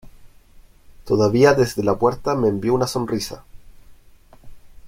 todavía desde la puerta me envió una sonrisa.